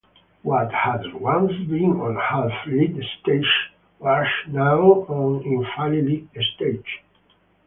What had once been on half-lit stages was now on in fully lit stages.